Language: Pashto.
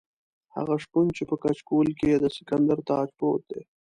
هغه شپون چې په کچکول کې یې د سکندر تاج پروت دی.